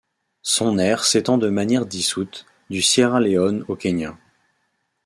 Son aire s'étend de manière dissoute, du Sierra Leone au Kenya.